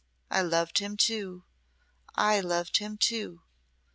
I loved him too! I loved him too!